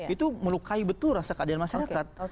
itu melukai betul rasa keadilan masyarakat